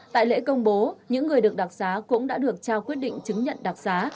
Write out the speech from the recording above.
tại lễ công bố những người được đặc xá cũng đã được trao quyết định chứng nhận đặc giá